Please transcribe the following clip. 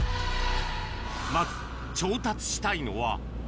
まず、調達したいのは。